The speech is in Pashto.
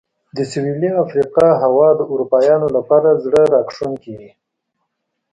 د سوېلي افریقا هوا د اروپایانو لپاره زړه راښکونکې وه.